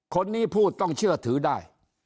คนนี้พูดต้องเชื่อถือได้